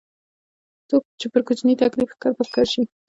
څوک چې پر کوچني تکليف ښکر په ښکر شي.